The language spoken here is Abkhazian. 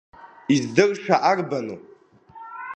Издырша арбану?